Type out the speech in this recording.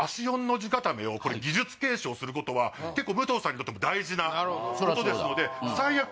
４の字固めをこれ技術継承することは結構武藤さんにとっても大事なことですので最悪